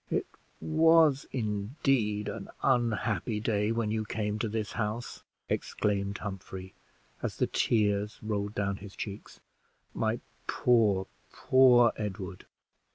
"It was, indeed, an unhappy day when you came to this house," exclaimed Humphrey, as the tears rolled down his cheeks; "my poor, poor Edward!"